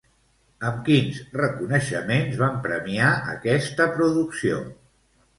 Amb quins reconeixements van premiar aquesta producció?